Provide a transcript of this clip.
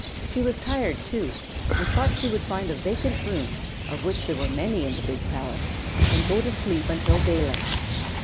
She was tired, too, and thought she would find a vacant room of which there were many in the big palace and go to sleep until daylight.